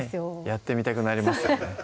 やってみたくなりますよね